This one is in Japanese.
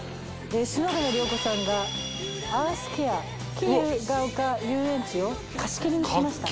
「篠原涼子さんがアースケア桐生が岡遊園地を貸し切りにしました！」